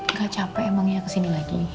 nggak capek emangnya ke sini